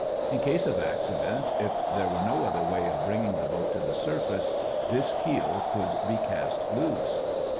In case of accident, if there were no other way of bringing the boat to the surface, this keel could be cast loose.